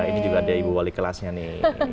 ini juga ada ibu wali kelasnya nih